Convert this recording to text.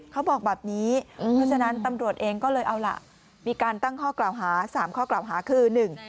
เขาบอกแบบนี้เพราะฉะนั้นตำรวจเองก็เลยเอาล่ะมีการตั้งข้อกล่าวหาสามข้อกล่าวหาคือหนึ่ง